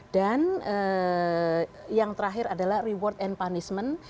dan yang terakhir adalah reward and punishment